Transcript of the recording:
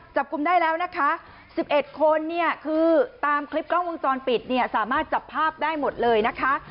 จับกลุ่มได้แล้วนะคะ๑๑คนเนี่ยคือตามคลิปกล้องวงจรปิดเนี่ยสามารถจับภาพได้หมดเลยนะคะ